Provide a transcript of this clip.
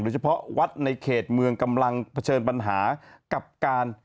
เฉพาะวัดในเขตเมืองกำลังเผชิญปัญหากับการ